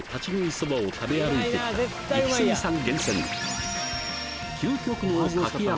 そばを食べ歩いてきたイキスギさん